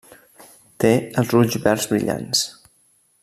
Té els ulls verds brillants.